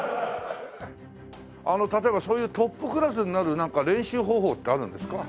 あの例えばそういうトップクラスになる練習方法ってあるんですか？